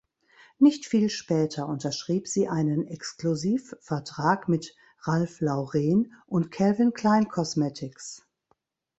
Nicht viel später unterschrieb sie einen Exklusivvertrag mit Ralph Lauren und Calvin Klein Cosmetics.